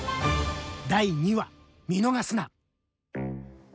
第２話見逃すな！